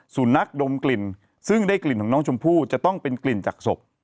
สุนัขดมกลิ่นซึ่งได้กลิ่นของน้องชมพู่จะต้องเป็นกลิ่นจากศพ